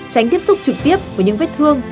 tránh tiếp xúc trực tiếp với những vết thương